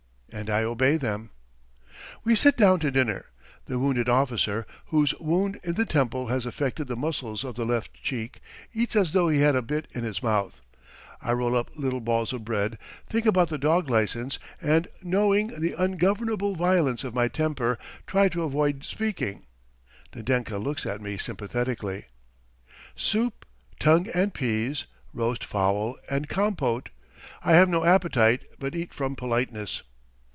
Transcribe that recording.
And I obey them. We sit down to dinner. The wounded officer, whose wound in the temple has affected the muscles of the left cheek, eats as though he had a bit in his mouth. I roll up little balls of bread, think about the dog licence, and, knowing the ungovernable violence of my temper, try to avoid speaking. Nadenka looks at me sympathetically. Soup, tongue and peas, roast fowl, and compôte. I have no appetite, but eat from politeness.